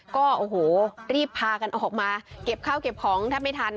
ก็โอ้โหรีบพากันออกมาเก็บข้าวเก็บของแทบไม่ทัน